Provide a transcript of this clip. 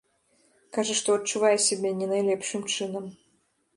Кажа, што адчувае сябе не найлепшым чынам.